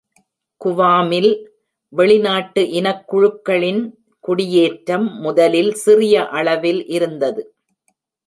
குவாமில், வெளிநாட்டு இனக் குழுக்களின் குடியேற்றம் முதலில் சிறிய அளவில் இருந்தது.